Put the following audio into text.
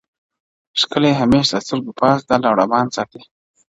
ښکلي همېش د سترګو پاس دا لړمان ساتي ,